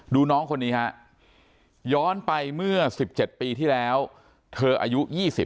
น้องคนนี้ฮะย้อนไปเมื่อ๑๗ปีที่แล้วเธออายุ๒๐